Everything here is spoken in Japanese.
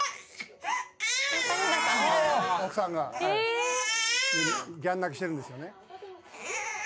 奥さんがはいギャン泣きしてるんですよね。